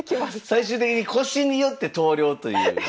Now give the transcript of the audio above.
最終的に腰によって投了という。